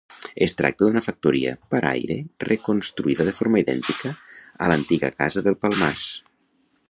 Es tracta d'una factoria paraire reconstruïda de forma idèntica a l'antiga casa del Palmàs.